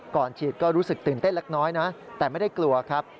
ก่อนฉีดก็รู้สึกตื่นเต้นเล็กน้อยนะแต่ไม่ได้กลัวครับ